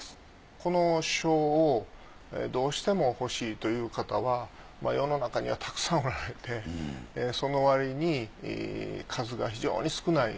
この書をどうしても欲しいという方は世の中にはたくさんおられてその割に数が非常に少ない。